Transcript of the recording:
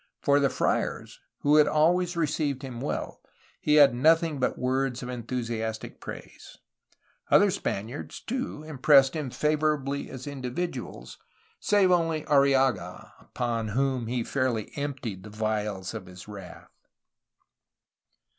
For the friars, who had always received him well, he had nothing but words of enthusiastic praise. Other Spaniards, 408 A HISTORY OF CALIFORNIA too, impressed him favorably as individuals, save only Arrillaga, upon whom he fairly emptied the vials of his wrath.